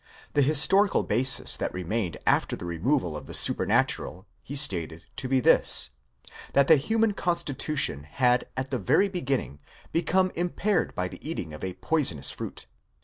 The historical basis that remained after the removal of the supernatural, he stated to be this: that the human constitution had at the very beginning become impaired by the eating of a poisonous fruit.